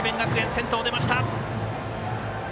先頭、出ました。